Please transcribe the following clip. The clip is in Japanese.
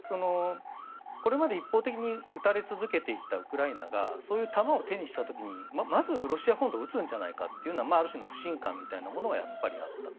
これまで一方的に撃たれ続けてきたウクライナがそういう弾を手にした時にまずロシア本土を撃つんじゃないかというのはある種の不信感みたいなものがやっぱりあった。